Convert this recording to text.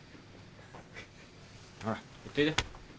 ほら行っといで。